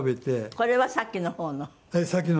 これはさっきの方の？